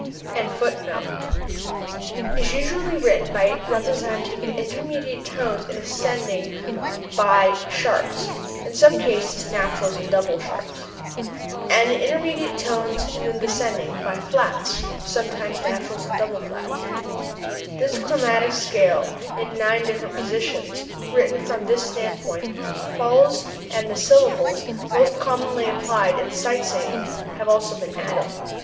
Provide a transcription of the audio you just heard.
For sight singing purposes the chromatic scale is usually written by representing the intermediate tones in ascending by sharps, (in some cases naturals and double sharps), and the intermediate tones in descending by flats (sometimes naturals and double flats). The chromatic scale in nine different positions, written from this standpoint, follows, and the syllables most commonly applied in sight singing have also been added.